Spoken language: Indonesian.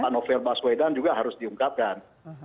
novel baswedan juga harus diungkapkan